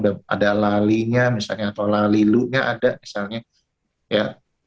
ada lalinya misalnya atau lalilunya ada misalnya ya